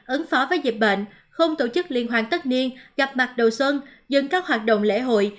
ứng phó với dịch bệnh không tổ chức liên hoan tất niên gặp mặt đầu xuân dừng các hoạt động lễ hội